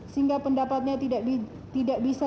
sehingga pendapatnya tidak bisa